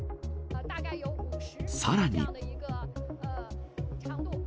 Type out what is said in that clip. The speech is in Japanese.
さらに。